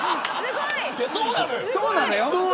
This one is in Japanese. そうなのよ。